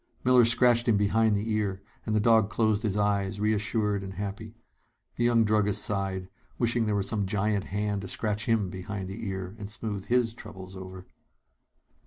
Miller scratched him behind the ear, and the dog closed his eyes, reassured and happy. The young druggist sighed, wishing there were some giant hand to scratch him behind the ear and smooth his troubles over.